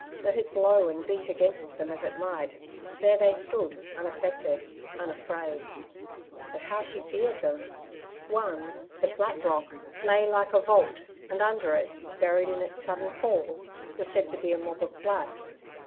Let it blow and beat against them as it might, there they stood, unaffected, unafraid. But how she feared them! One, 'The Flat Rock' lay like a vault, and under it, buried in its sudden fall, were said to be a mob of blacks.